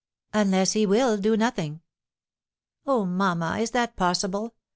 "Unless he will do nothing." "Oh, mamma, is that possible?